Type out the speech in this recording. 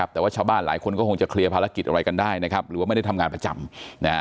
แต่ว่าชาวบ้านหลายคนก็คงจะเคลียร์ภารกิจอะไรกันได้นะครับหรือว่าไม่ได้ทำงานประจำ